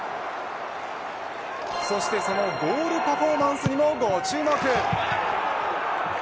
そしてそのゴールパフォーマンスにもご注目。